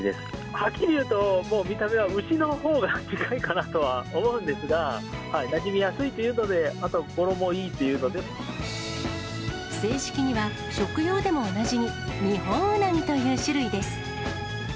はっきり言うと、もう見た目は牛のほうが近いかなとは思うんですが、なじみやすいというので、正式には、食用でもおなじみ、ニホンウナギという種類です。